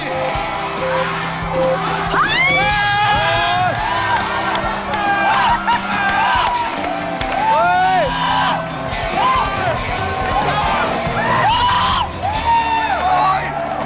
เฮ้ย